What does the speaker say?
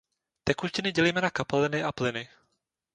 Tekutiny dělíme na kapaliny a plyny.